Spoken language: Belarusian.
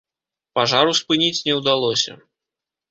Пажару спыніць не ўдалося.